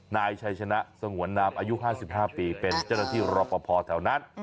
นายชัยชนะสงวนนามอายุ๕๕ปีเป็นเจ้าหน้าที่รอปภแถวนั้น